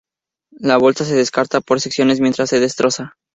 La bolsa se descarta por secciones mientras se destroza.